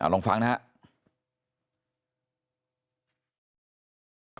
ลองฟังนะครับ